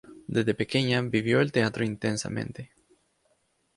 Desde pequeña vivió el teatro intensamente.